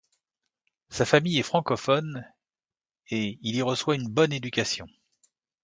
Sa famille est francophone et il y reçoit une bonne éducation.